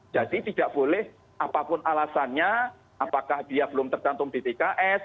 jadi tidak boleh apapun alasannya apakah dia belum tergantung dtkf